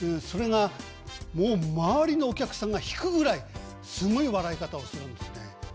それがもう周りのお客さんが引くぐらいすごい笑い方をするんですね。